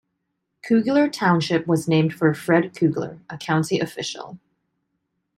Kugler Township was named for Fred Kugler, a county official.